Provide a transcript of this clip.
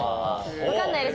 わかんないです。